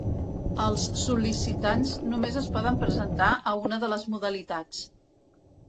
Els sol·licitants només es poden presentar a una de les modalitats.